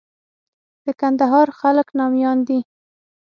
د کندهار خلک ناميان دي.